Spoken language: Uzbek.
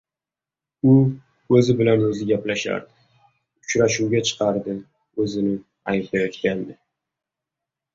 "U o'zi bilan o'zi gaplashardi, uchrashuvga chiqardi, o'zini ayblayotgandi..."